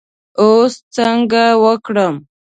اوس څنګه وکړم.